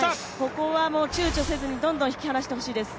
ここはちゅうちょせずに、どんどん引き離してほしいです。